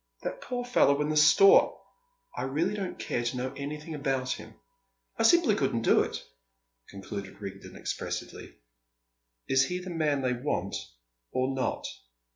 "That poor fellow in the store " "I really don't care to know anything about him." " I simply couldn't do it," concluded Rigden expressively. "Is he the man they want or not?"